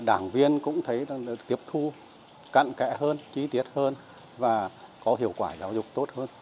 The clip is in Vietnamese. đảng viên cũng thấy tiếp thu cạn kẽ hơn chi tiết hơn và có hiệu quả giáo dục tốt hơn